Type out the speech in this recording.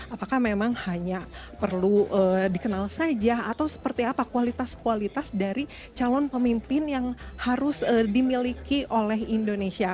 apakah memang hanya perlu dikenal saja atau seperti apa kualitas kualitas dari calon pemimpin yang harus dimiliki oleh indonesia